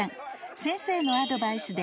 ［先生のアドバイスで］